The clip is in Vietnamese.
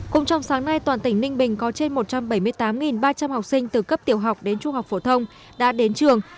cùng trong sáng nay toàn tỉnh ninh bình có trên một trăm bảy mươi tám ba trăm linh học sinh từ cấp tiểu học đến trung học phổ thông đã đến trường